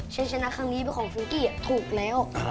ใช้ชนะครั้งนี้เป็นของฟุ้งกี้ถูกแล้ว